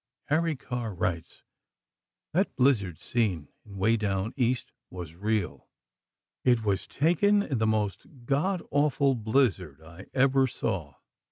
Harry Carr writes: That blizzard scene in "Way Down East" was real. It was taken in the most God awful blizzard I ever saw.